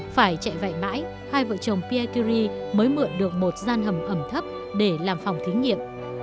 phải chạy vậy mãi hai vợ chồng pikuri mới mượn được một gian hầm ẩm thấp để làm phòng thí nghiệm